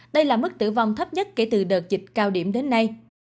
đây là mức tử vong thấp nhất kể từ đợt dịch cao điểm đến nay